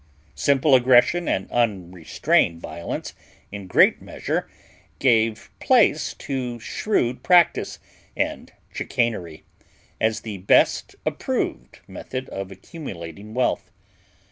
Simple aggression and unrestrained violence in great measure gave place to shrewd practice and chicanery, as the best approved method of accumulating wealth.